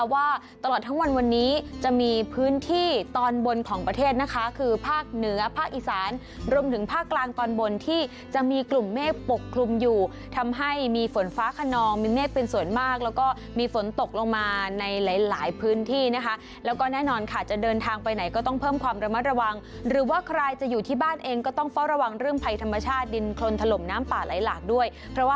วันนี้จะมีพื้นที่ตอนบนของประเทศนะคะคือภาคเหนือภาคอีสานรวมถึงภาคกลางตอนบนที่จะมีกลุ่มเมฆปกคลุมอยู่ทำให้มีฝนฟ้าขนองมีเมฆเป็นส่วนมากแล้วก็มีฝนตกลงมาในหลายพื้นที่นะคะแล้วก็แน่นอนค่ะจะเดินทางไปไหนก็ต้องเพิ่มความระมะระวังหรือว่าใครจะอยู่ที่บ้านเองก็ต้องเฝ้าระวังเรื่องภัย